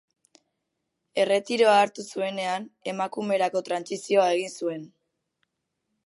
Erretiroa hartu zuenean emakumerako trantsizioa egin zuen.